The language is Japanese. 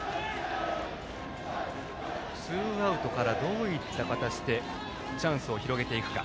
ツーアウトから、どういった形でチャンスを広げていくか。